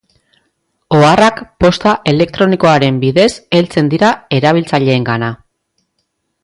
Oharrak posta elektronikoaren bidez heltzen dira erabiltzaileengana.